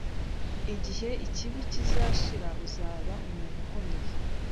Igihe ikibi kizashira uzaba umuntu ukomeye,